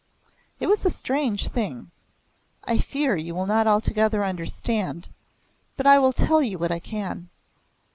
"It was a strange thing. I fear you will not altogether understand, but I will tell you what I can.